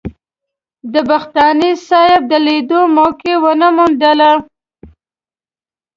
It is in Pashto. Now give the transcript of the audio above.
د بختاني صاحب د لیدو موقع ونه موندله.